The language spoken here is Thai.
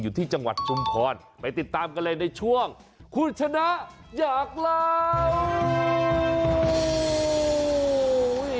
อยู่ที่จังหวัดชุมพรไปติดตามกันเลยในช่วงคุณชนะอยากเล่า